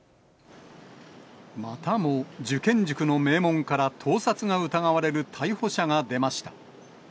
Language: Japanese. またも受験塾の名門から盗撮が疑われる逮捕者が出ました。